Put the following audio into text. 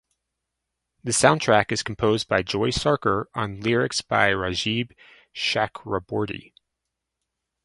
The soundtrack is composed by Joy Sarkar on lyrics by Rajib Chakraborty